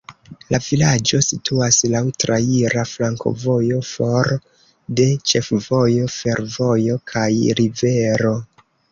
La vilaĝo situas laŭ traira flankovojo for de ĉefvojo, fervojo kaj rivero.